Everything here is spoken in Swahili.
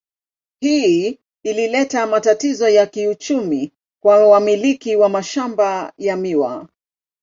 Hii ilileta matatizo ya kiuchumi kwa wamiliki wa mashamba ya miwa.